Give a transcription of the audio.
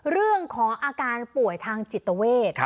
เรื่องของอาการป่วยทางจิตเวท